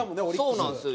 そうなんですよ。